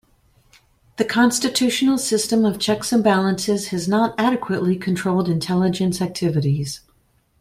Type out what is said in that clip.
The Constitutional system of checks and balances has not adequately controlled intelligence activities.